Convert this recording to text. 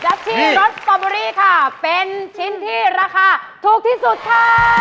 และที่รสสตอเบอรี่ค่ะเป็นชิ้นที่ราคาถูกที่สุดค่ะ